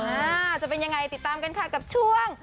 อ่าจะเป็นยังไงติดตามกันค่ะกับช่วง